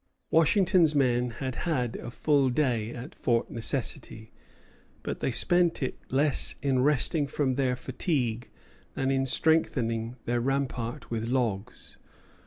Washington's men had had a full day at Fort Necessity; but they spent it less in resting from their fatigue than in strengthening their rampart with logs.